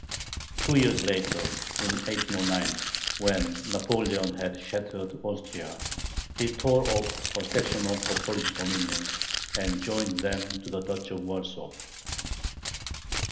Two years later, in 1809, when Napoleon had shattered Austria, he tore off a section of her Polish dominions, and joined them to the Duchy of Warsaw.